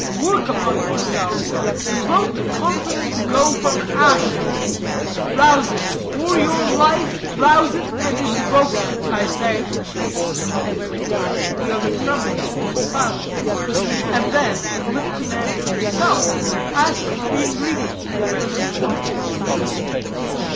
Work upon yourself; invoke confidence, though from ashes; rouse it; for your life, rouse it, and invoke it, I say." The other trembled, was silent; and then, a little commanding himself, asked the ingredients of the medicine.